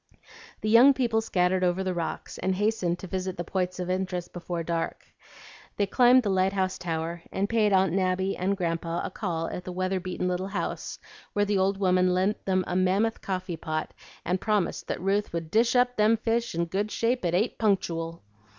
The young people scattered over the rocks, and hastened to visit the points of interest before dark. They climbed the lighthouse tower, and paid Aunt Nabby and Grandpa a call at the weather beaten little house, where the old woman lent them a mammoth coffee pot, and promised that Ruth would "dish up them fish in good shape at eight punctooal."